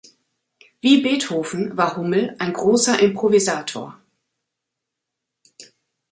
Wie Beethoven war Hummel ein großer Improvisator.